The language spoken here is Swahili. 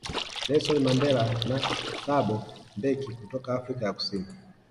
Nelsoni Mandela na Thabo Mbeki kutoka Afrika ya Kusini